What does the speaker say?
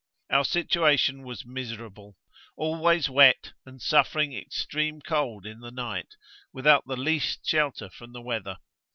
Our situation was miserable; always wet, and suffering extreme cold in the night, without the least shelter from the weather.